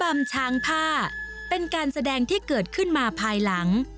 ลำช้างผ้าเป็นการแสดงที่เกิดขึ้นมาภายหลัง